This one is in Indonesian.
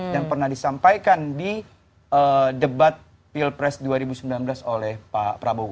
dan pernah disampaikan di debat pilpres dua ribu sembilan belas oleh pak prabowo